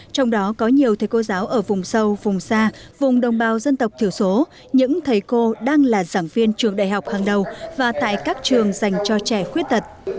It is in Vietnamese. trong đó có nhiều thầy cô giáo ở vùng sâu vùng xa vùng đồng bào dân tộc thiểu số những thầy cô đang là giảng viên trường đại học hàng đầu và tại các trường dành cho trẻ khuyết tật